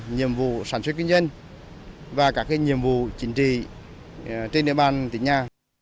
nhiệm vụ sản xuất kinh doanh và các nhiệm vụ chính trị trên địa bàn tỉnh nhà